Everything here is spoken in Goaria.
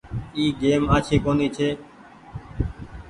اي گئيم آڇي ڪونيٚ ڇي۔